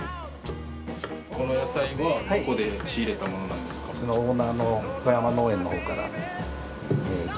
この野菜はどこで仕入れたものなんですか？